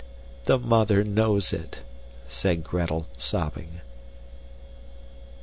"The mother knows it," said Gretel, sobbing.